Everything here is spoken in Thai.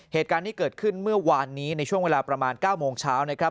เหตุการณ์ที่เกิดขึ้นเมื่อวานนี้ในช่วงเวลาประมาณ๙โมงเช้านะครับ